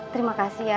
terima kasih ya